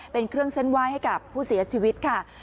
เป็นเครื่องเส้นไหว้ให้กับผู้เสียชีวิตค่ะ